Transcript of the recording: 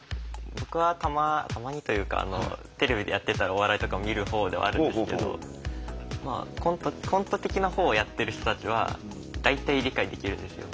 僕はたまにというかテレビでやってたらお笑いとか見る方ではあるんですけどコント的な方をやってる人たちは大体理解できるんですよ。